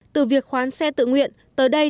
từ việc khoán xe tự nguyện tới đây